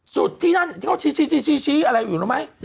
ที่นั่นที่เขาชี้อะไรอยู่รู้ไหม